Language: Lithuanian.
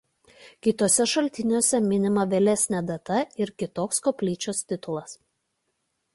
Kituose šaltiniuose minima vėlesnė data ir kitoks koplyčios titulas.